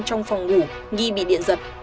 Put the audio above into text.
phòng ngủ nghi bị điện giật